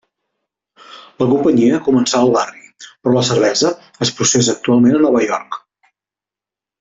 La companyia començà al barri, però la cervesa es processa actualment a Nova York.